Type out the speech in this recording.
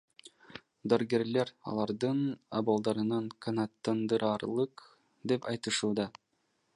Дарыгерлер алардын абалдарын канааттандыраарлык деп айтышууда.